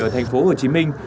ở thành phố hồ chí minh